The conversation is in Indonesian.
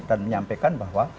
dan menyampaikan bahwa